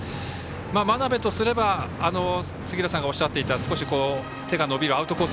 真鍋とすれば杉浦さんがおっしゃっていた少し手が伸びるアウトコース